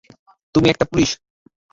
তুমি একটা পুলিশ!